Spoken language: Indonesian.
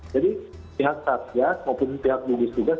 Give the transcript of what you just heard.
jadi pihak sabjad maupun pihak gugus tugas